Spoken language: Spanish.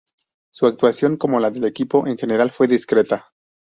Su actuación, como la del equipo en general, fue discreta.